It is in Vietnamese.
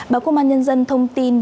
báo công an nhân dân thông tin